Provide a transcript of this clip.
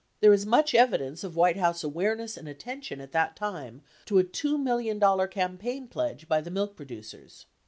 There is much evidence of White House aware ness and attention at that time to a $2 million campaign pledge by the milk producers.